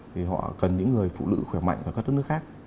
thì họ cần những người phụ nữ khỏe mạnh ở các đất nước khác